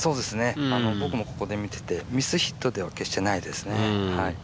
僕もここで見てて、ミスヒットでは決してないですね。